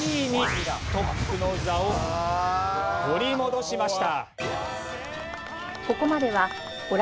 トップの座を取り戻しました。